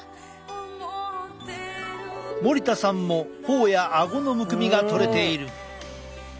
森田さんもほおやあごのむくみが取れている。